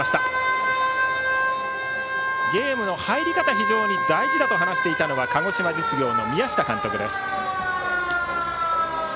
ゲームの入り方非常に大事だと話していたのは鹿児島実業の宮下監督です。